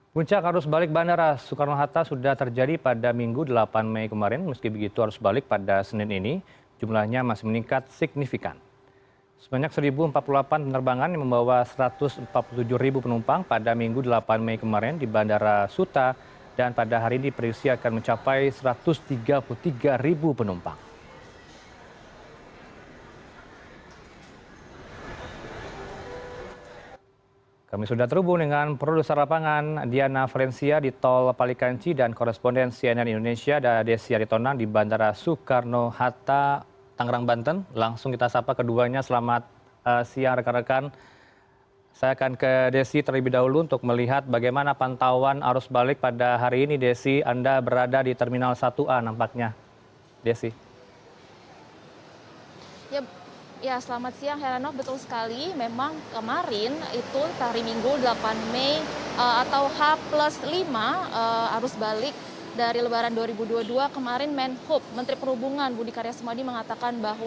guncak harus balik bandara soekarno hatta sudah terjadi pada minggu delapan mei kemarin